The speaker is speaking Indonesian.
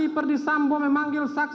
saksi perdisambo memanggil saksi